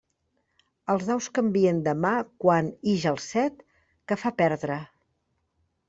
Els daus canvien de mà quan ix el set, que fa perdre.